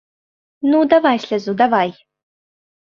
Ну, давай слязу, давай!